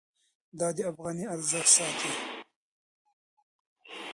دا د افغانۍ ارزښت ساتي.